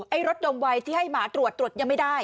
รถดมวัยที่ให้หมาตรวจตรวจยังไม่ได้